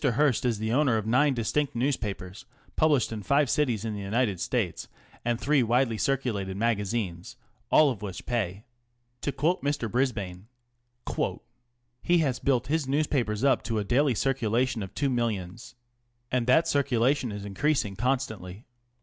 Hearst is the owner of nine distinct newspapers published in five cities in the United States and three widely circulated magazines, all of which pay. To quote Mr. Brisbane : ŌĆö He has built his newspapers up to a daily circulation of two millions. And that circulation is increasing constantly.